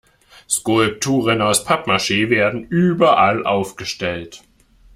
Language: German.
Skulpturen aus Pappmaschee werden überall aufgestellt.